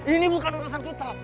ini bukan urusan kita